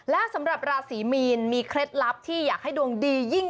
และสำหรับราศีมีนมีเคล็ดลับที่อยากให้ดวงดียิ่ง